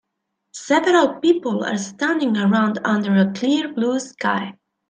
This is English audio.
Several people are standing around under a clear blue sky.